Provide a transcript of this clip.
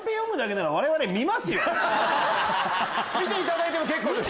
見ていただいても結構です。